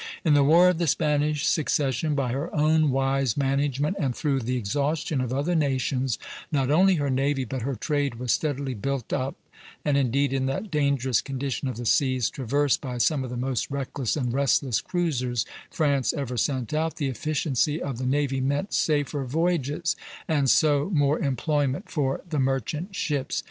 In the War of the Spanish Succession, by her own wise management and through the exhaustion of other nations, not only her navy but her trade was steadily built up; and indeed, in that dangerous condition of the seas, traversed by some of the most reckless and restless cruisers France ever sent out, the efficiency of the navy meant safer voyages, and so more employment for the merchant ships.